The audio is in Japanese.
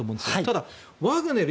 ただ、ワグネル